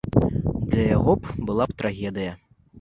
Для яго была б трагедыя.